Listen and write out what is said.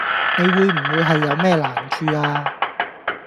你會唔會係有咩難處呀